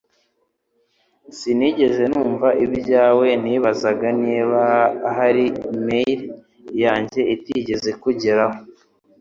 Sinigeze numva ibyawe Nibazaga niba ahari mail yanjye itigeze ikugeraho